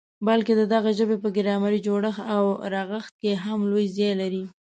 بلکي د دغي ژبي په ګرامري جوړښت او رغښت کي هم لوی ځای لري.